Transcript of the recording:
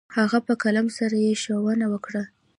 هغه په قلم سره يې ښوونه وكړه.